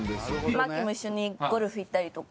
マキも一緒にゴルフ行ったりとか。